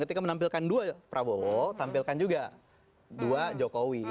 ketika menampilkan dua prabowo tampilkan juga dua jokowi